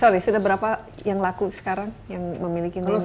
sorry sudah berapa yang laku sekarang yang memiliki nilai